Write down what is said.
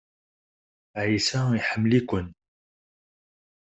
Ɛisa iḥemmel-iken.